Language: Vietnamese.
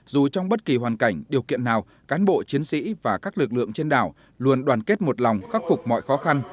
dù trong bất kỳ hoàn cảnh điều kiện nào cán bộ chiến sĩ và các lực lượng trên đảo luôn đoàn kết một lòng khắc phục mọi khó khăn